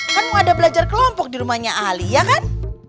kan mau ada belajar kelompok di rumahnya ali ya kan